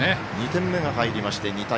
２点目が入りまして２対０。